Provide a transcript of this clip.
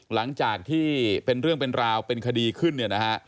หลังจากที่เป็นเรื่องเป็นราวเป็นคดีขึ้นเนี่ยนะฮะ